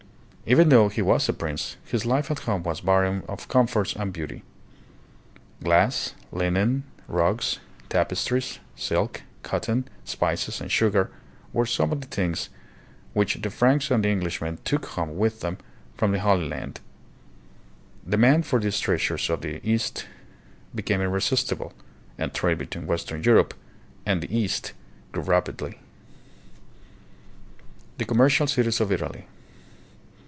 Even though he was a prince, his life at home was barren of comforts and beauty. Glass, linen, rugs, tapestries, silk, cotton, spices, and sugar were some of the things which the Franks and the Englishmen took home with them from the Holy Land. Demand for these treasures of the East became irresistible, and trade between western Europe and the East grew rapidly. The Commercial Cities of Italy.